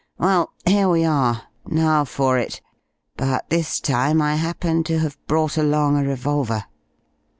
Well, here we are. Now for it but this time I happen to have brought along a revolver."